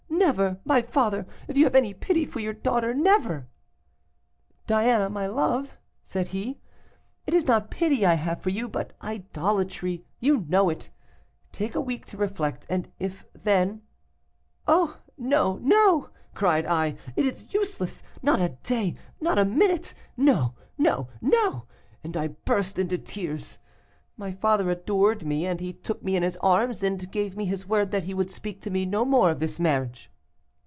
never, my father, if you have any pity for your daughter, never ' "'Diana, my love,' said he, 'it is not pity I have for you, but idolatry; you know it; take a week to reflect, and if then ' "'Oh! no, no,' cried I, 'it is useless; not a day, not a minute! No, no, no!' and I burst into tears. My father adored me, and he took me in his arms, and gave me his word that he would speak to me no more of this marriage.